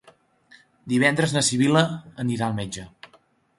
Divendres na Sibil·la anirà al metge.